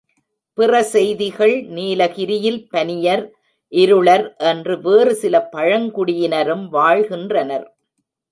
பிற செய்திகள் நீலகிரியில் பனியர், இருளர் என்று வேறுசில பழங்குடியினரும் வாழ்கின்றனர்.